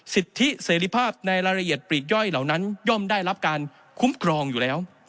สิทธิเสรีภาพในรายละเอียดปลีกย่อยเหล่านั้นย่อมได้รับการคุ้มครองอยู่แล้ว